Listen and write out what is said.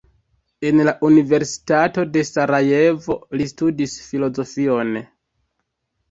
En la Universitato de Sarajevo li studis filozofion.